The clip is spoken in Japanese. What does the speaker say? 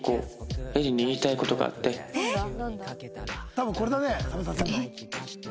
多分これだね冷めさせるの。